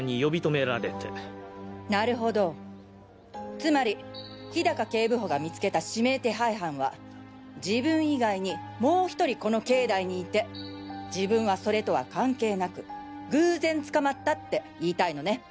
つまり氷高警部補が見つけた指名手配犯は自分以外にもう１人この境内にいて自分はそれとは関係なく偶然捕まったって言いたいのね？